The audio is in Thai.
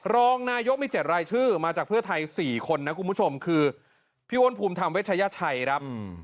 รองนายกมี๗รายชื่อมาจากเพื่อไทย๔คนนะคุณผู้ชมคือพี่อ้วนภูมิธรรมเวชยชัยครับ